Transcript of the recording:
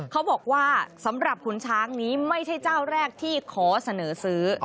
เขาบอกว่าสำหรับขุนช้างนี้ไม่ใช่เจ้าแรกที่ขอเสนอซื้อ